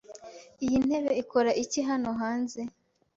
Iyi ntebe ikora iki hano hanze?